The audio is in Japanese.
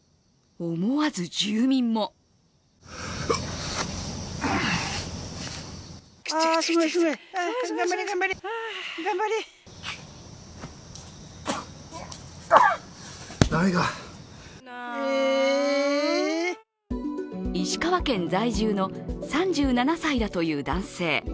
思わず住民も石川県在住の３７歳だという男性。